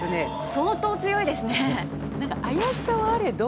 相当強いですね。